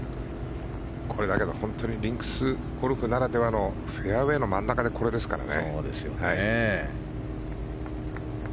これ、本当にリンクスゴルフならではのフェアウェーの真ん中でこれですからね。